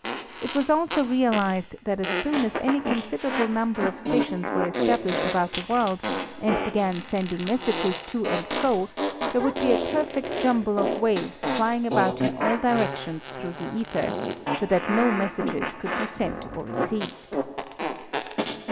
It was also realized that as soon as any considerable number of stations were established about the world, and began sending messages to and fro, there would be a perfect jumble of waves flying about in all directions through the ether, so that no messages could be sent or received.